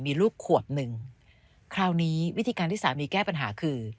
มีลูกขวบหนึ่งคราวนี้วิธีการที่สามีแก้ปัญหาคือ